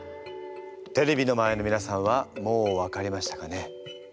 テレビの前のみなさんはもう分かりましたかね？